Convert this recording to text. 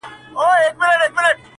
دیدن په لک روپۍ ارزان دی!